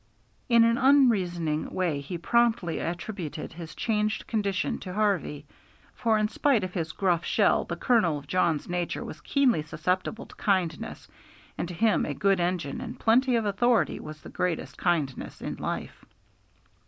In an unreasoning way he promptly attributed his changed condition to Harvey; for in spite of his gruff shell the kernel of Jawn's nature was keenly susceptible to kindness, and to him a good engine and plenty of authority was the greatest kindness in life.